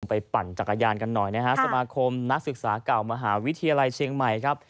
ปั่นจักรยานกันหน่อยนะฮะสมาคมนักศึกษาเก่ามหาวิทยาลัยเชียงใหม่ครับ